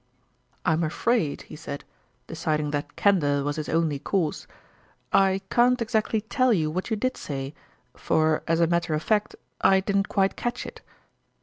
" I'm afraid," he said, deciding that candor was his only course, " I can't exactly tell you what you did say ; for, as a matter of fact, I didn't quite catch it."